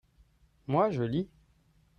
moi, je lis.